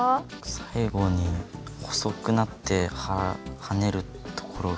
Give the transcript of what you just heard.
最後に細くなってはねるところが。